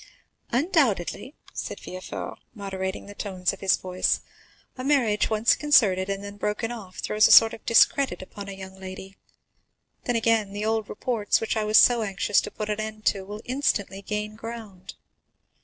"Undoubtedly," said Villefort, moderating the tones of his voice, "a marriage once concerted and then broken off, throws a sort of discredit on a young lady; then again, the old reports, which I was so anxious to put an end to, will instantly gain ground.